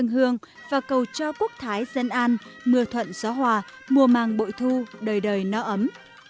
dân hương và cầu cho quốc thái dân an mưa thuận gió hòa mùa mang bội thu đời đời nó ấm